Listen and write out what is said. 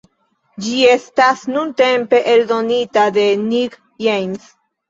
Ĝi estas nuntempe eldonita de Nick James.